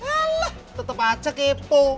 alah tetep aja kepo